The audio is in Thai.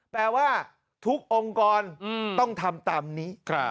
แปลว่าทุกองค์กรต้องทำตามนี้